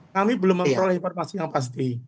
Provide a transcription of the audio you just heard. kami belum memperoleh informasi yang pasti